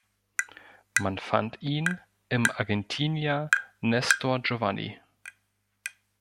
Man fand ihn im Argentinier Nestor Giovannini.